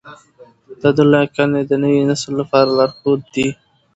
د ده لیکنې د نوي نسل لپاره لارښود دي.